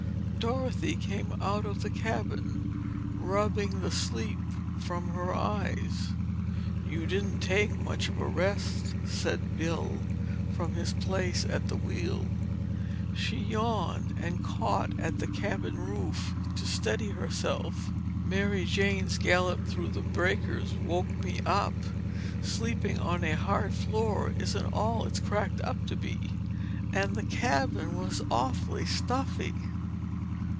Dorothy came out of the cabin rubbing the sleep from her eyes. "You didn't take much of a rest," said Bill from his place at the wheel. She yawned and caught at the cabin roof to steady herself. "Mary Jane's gallop through the breakers woke me up. Sleeping on a hard floor isn't all it's cracked up to be—and the cabin was awfully stuffy."